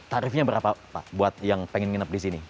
tarifnya berapa pak buat yang pengen nginep di sini